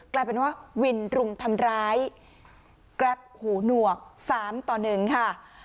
กลายเป็นว่าวินรุ่งทำร้ายแกรปหูหนวกสามต่อหนึ่งค่ะ